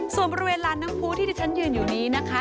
ส่วนบริเวณลานน้ำพูที่ที่ฉันยืนอยู่นี้นะคะ